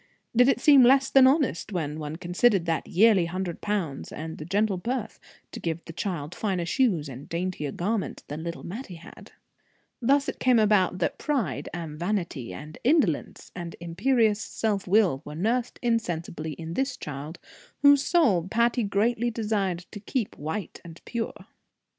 Did it seem less than honest, when one considered that yearly hundred pounds, and the gentle birth, to give the child finer shoes and daintier garments than little Mattie had? Thus it came about that pride, and vanity, and indolence, and imperious self will, were nursed insensibly in this child, whose soul Patty greatly desired to keep white and pure.